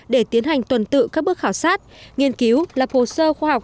để tiến hành tuần tự các bước khảo sát nghiên cứu lập hồ sơ khoa học